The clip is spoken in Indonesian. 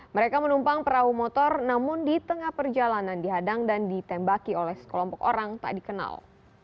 mereka menumpang perahu motor namun di tengah perjalanan dihadang dan ditembaki oleh sekelompok orang tak dikenal